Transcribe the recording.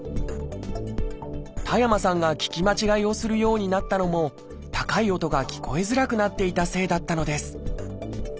田山さんが聞き間違えをするようになったのも高い音が聞こえづらくなっていたせいだったのです。